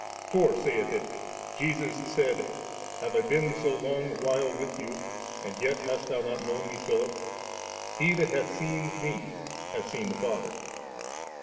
For, saith it, Jesus said, * Have I been so long while with you, and yet hast thou not known Me, Philip ? He that hath seen Me, hath seen the Father.'